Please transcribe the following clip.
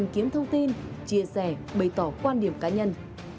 tìm kiếm thông tin chia sẻ bày tỏ quan điểm cá nhân